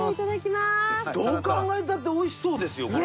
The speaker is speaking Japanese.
どう考えたっておいしそうですよこれ。